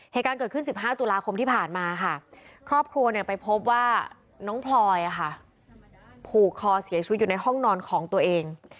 เหตุการณ์เกิดขึ้น๑๕ตุลาคมที่ผ่านมาค่ะครอบครัวไปพบว่าน้องพลอยผูกคอเสียชีวิตอยู่ในห้องนอนของตัวเอง